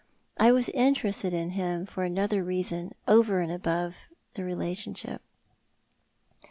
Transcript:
I was interested in him for another reason over and above relationship.